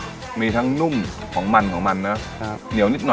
จากตัวสูงสือของแข่งงานบ้างกับตัวโรคเรื้อ